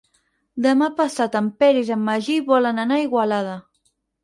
Demà passat en Peris i en Magí volen anar a Igualada.